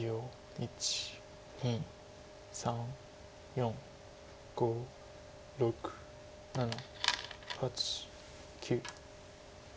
１２３４５６７８９。